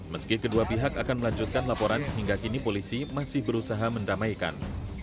meski kedua pihak akan melanjutkan laporan hingga kini polisi masih berusaha mendamaikan